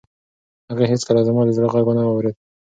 هغې هیڅکله زما د زړه غږ و نه اورېد.